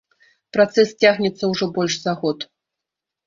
Працэс цягнецца ўжо больш за год.